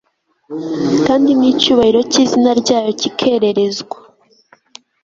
kandi nicyubahiro cyizina ryayo kikererezwa